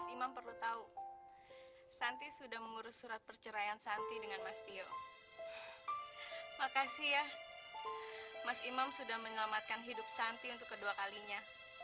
sampai jumpa di video selanjutnya